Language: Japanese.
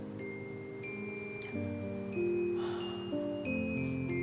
はあ。